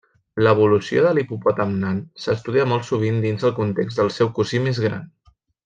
L'evolució de l'hipopòtam nan s'estudia molt sovint dins el context del seu cosí més gran.